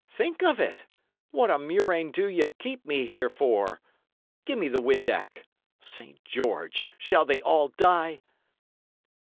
"Think of it! What a murrain do ye keep me here for? Give me the windac. Saint George! shall they all die?"